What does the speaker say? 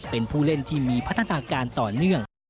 เป็นผู้เล่นที่มีพัฒนาการต่อเนื่อง